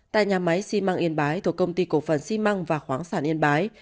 tại nhà máy xi măng yên bái thuộc công ty cổ phần xi măng và khoáng sản yên bái